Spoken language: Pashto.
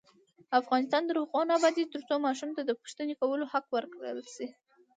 افغانستان تر هغو نه ابادیږي، ترڅو ماشوم ته د پوښتنې کولو حق ورکړل نشي.